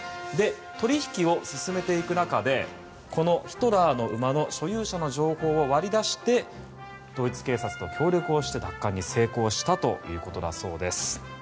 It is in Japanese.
取引を進めていく中でこの「ヒトラーの馬」の所有者の情報を割り出してドイツ警察と協力して奪還に成功したということです。